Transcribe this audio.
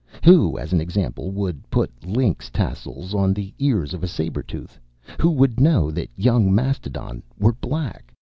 Who, as an example, would put lynx tassels on the ears of a saber tooth? Who would know that young mastodon were black?